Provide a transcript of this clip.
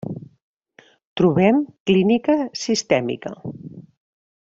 Trobem clínica sistèmica.